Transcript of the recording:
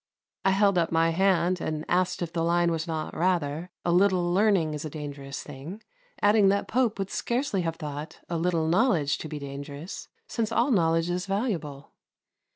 I held up my hand and asked if the line was not rather "A little learning is a dangerous thing," adding that Pope would scarcely have thought a little knowledge to be dangerous, since all knowledge is valuable.